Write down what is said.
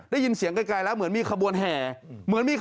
ได้ยินเสียงไกลแล้วเหมือนมีขบวนแห่